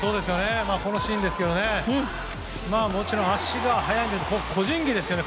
このシーンですがもちろん足が速いんですが個人技ですよね。